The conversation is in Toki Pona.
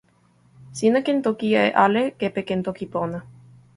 sina ken toki e ale kepeken Toki Pona.